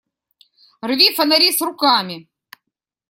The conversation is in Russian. Рви фонари с руками!